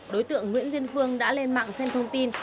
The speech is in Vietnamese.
đối tượng nguyễn diên phương đã lên mạng xem thông tin